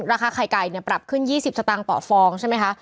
ราคาไข่ไก่ปรับขึ้น๒๐สตางค์ต่อฟองใช่ไหมคะ